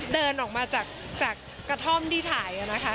เดินออกมาจากกระท่อมที่ถ่ายนะคะ